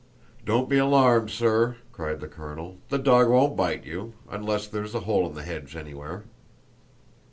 "Don't be alarmed, sir," cried the colonel; "the dog won't bite you—unless there's a hole in the hedge anywhere."